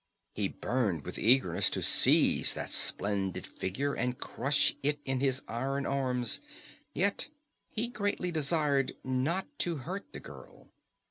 He burned with eagerness to seize that splendid figure and crush it in his iron arms, yet he greatly desired not to hurt the girl.